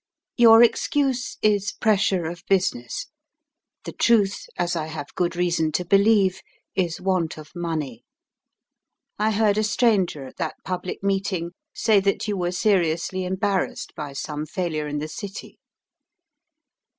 "Your excuse is 'pressure of business'; the truth (as I have good reason to believe) is 'want of money.' I heard a stranger at that public meeting say that you were seriously embarrassed by some failure in the City.